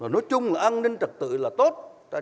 nói chung là an ninh trật tự là tốt